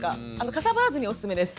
かさばらずにおすすめです。